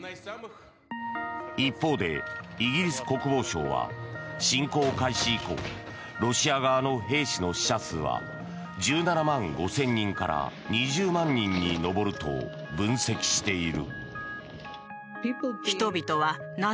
一方でイギリス国防省は侵攻開始以降ロシア側の兵士の死者数は１７万５０００人から２０万人に上ると分析している。